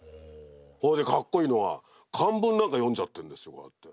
ほいでかっこいいのは漢文なんか読んじゃってるんですよ。